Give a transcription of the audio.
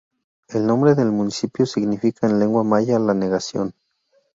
El nombre del municipio significa en lengua maya la negación.